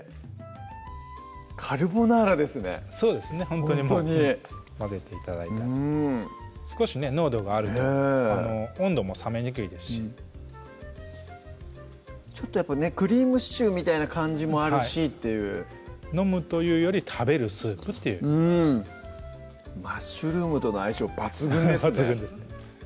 ほんとにもう混ぜて頂いたらうん少しね濃度があると温度も冷めにくいですしちょっとクリームシチューみたいな感じもあるしっていう飲むというより食べるスープっていうマッシュルームとの相性抜群ですね